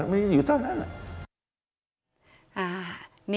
มีอยู่เท่านั้น